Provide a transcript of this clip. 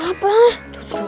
eh eh tunggu tunggu